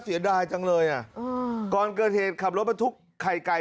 เสียดายจังเลยอ่ะอืมก่อนเกิดเหตุขับรถบรรทุกไข่ไก่